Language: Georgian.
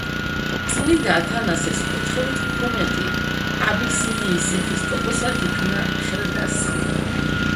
წმინდა ათანასეს კურთხევით ფრუმენტი აბისინიის ეპისკოპოსად იქნა ხელდასხმული.